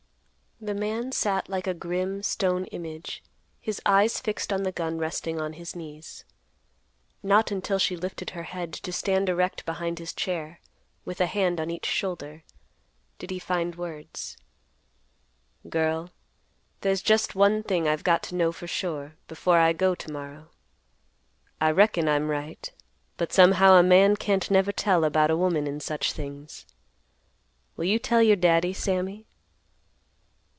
The man sat like a grim, stone image, his eyes fixed on the gun resting on his knees. Not until she lifted her head to stand erect behind his chair, with a hand on each shoulder, did he find words. "Girl, there's just one thing I've got to know for sure before I go to morrow. I reckon I'm right, but somehow a man can't never tell about a woman in such things. Will you tell your Daddy, Sammy?"